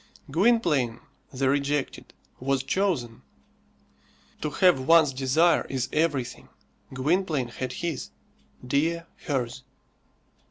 Gwynplaine the rejected was chosen. To have one's desire is everything. Gwynplaine had his, Dea hers.